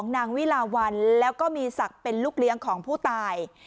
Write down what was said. นางวิลาวันแล้วก็มีศักดิ์เป็นลูกเลี้ยงของผู้ตาย